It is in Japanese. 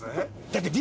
だって。